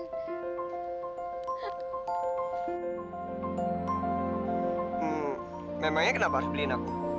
hmm memangnya kenapa harus beliin aku